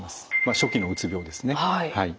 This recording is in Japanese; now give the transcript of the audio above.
初期のうつ病ですね。